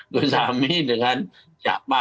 gus ami dengan siapa